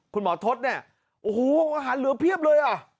คุณหมอทศเนี่ยโอ้โหอาหารเหลือเพียบเลยอ่ะ